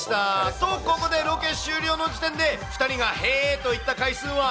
と、ここでロケ終了の時点で、２人がへぇと言った回数は？